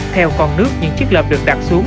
theo con nước những chiếc lợp được đặt xuống